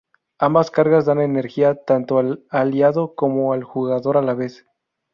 Ambas cargas dan energía tanto al aliado como al jugador a la vez.